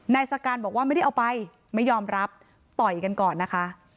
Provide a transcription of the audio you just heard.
สการบอกว่าไม่ได้เอาไปไม่ยอมรับต่อยกันก่อนนะคะ